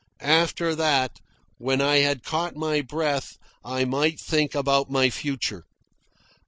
After that, when I had caught my breath, I might think about my future.